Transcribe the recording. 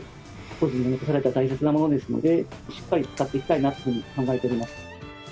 故人が残された大切なものですので、しっかり使っていきたいなと考えております。